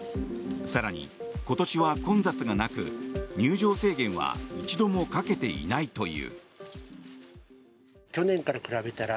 更に、今年は混雑がなく入場制限は一度もかけていないという。